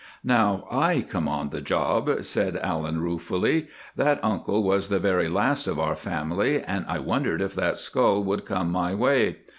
"Now I come on the job," said Allan, ruefully. "That uncle was the very last of our family, and I wondered if that skull would come my way.